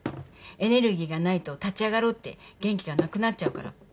エネルギーがないと立ち上がろうって元気がなくなっちゃうから。